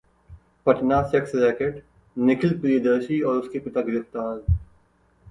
Patna sex racket: Nikhil Priyadarshi और उसके पिता गिरफ्तार